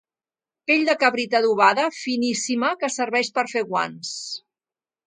Pell de cabrit adobada, finíssima, que serveix per fer guants.